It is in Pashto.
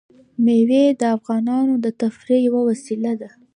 مېوې د افغانانو د تفریح یوه وسیله ده.